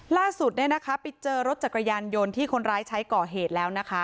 ล่าสุดไปเจอรถจักรยานยนต์ที่คนร้ายใช้ก่อเหตุแล้วนะคะ